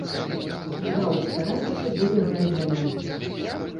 З гаўбца ратушы будзе граць гарніст.